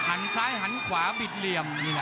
ร้อยเชิงซ้ายเตะ